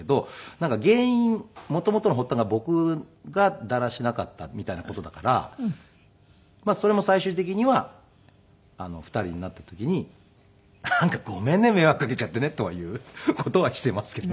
なんか原因元々の発端が僕がだらしなかったみたいな事だからそれも最終的には２人になった時に「なんかごめんね迷惑かけちゃってね」という事はしていますけどね